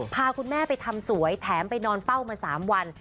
พาคุณแม่ไปทำสวยแถมไปนอนเฝ้ามา๓วัน